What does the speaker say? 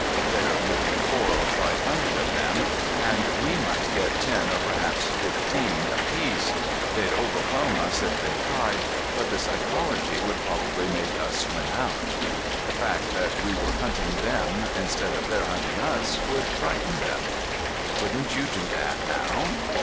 "There would be four or five hundred of them, and we might get ten or perhaps fifteen apiece. They'd overwhelm us if they tried, but the psychology would probably make us win out. The fact that we were hunting them, instead of their hunting us, would frighten them." "Couldn't you do that now?"